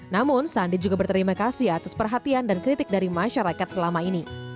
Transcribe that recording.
namun sandi juga berterima kasih atas perhatian dan kritik dari masyarakat selama ini